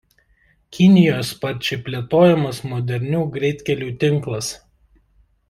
Kinijoje sparčiai plėtojamas modernių greitkelių tinklas.